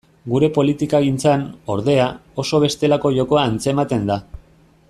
Gure politikagintzan, ordea, oso bestelako jokoa antzematen da.